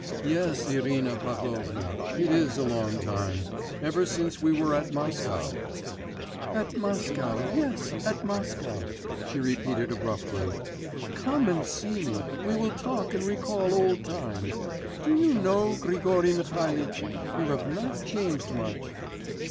'Yes, Irina Pavlovna, it is a long time ever since we were at Moscow.' 'At Moscow, yes, at Moscow,' she repeated abruptly. 'Come and see me, we will talk and recall old times. Do you know, Grigory Mihalitch, you have not changed much.